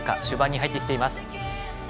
終盤に入ってきています。